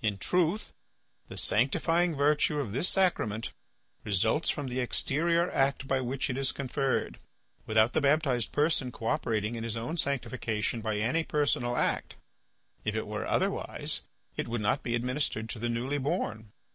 In truth, the sanctifying virtue of this sacrament results from the exterior act by which it is conferred, without the baptized person cooperating in his own sanctification by any personal act; if it were otherwise it would not be administered to the newly born.